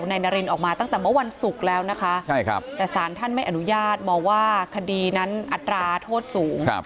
นายนารินออกมาตั้งแต่เมื่อวันศุกร์แล้วนะคะแต่สารท่านไม่อนุญาตมองว่าคดีนั้นอัตราโทษสูง